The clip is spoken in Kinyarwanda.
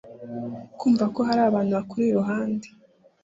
kumva ko hari abantu bakuri iruhande